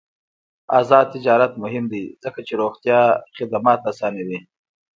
آزاد تجارت مهم دی ځکه چې روغتیا خدمات اسانوي.